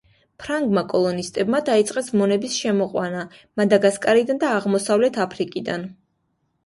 ფრანგმა კოლონისტებმა დაიწყეს მონების შემოყვანა მადაგასკარიდან და აღმოსავლეთ აფრიკიდან.